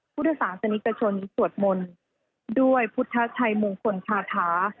พุทธศาสนิกชนสวดมนต์ด้วยพุทธชัยมงคลชาธา